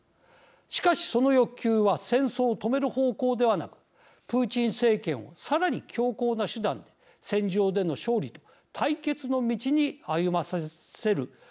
しかしその欲求は戦争を止める方向ではなくプーチン政権をさらに強硬な手段で戦場での勝利と対決の道に歩ませるおそれがあります。